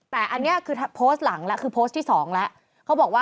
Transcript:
แต่อันนี้คือโพสต์หลังแล้วคือโพสต์ที่๒แล้ว